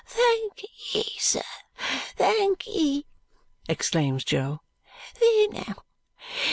"Thankee, sir, thankee!" exclaims Jo. "There now!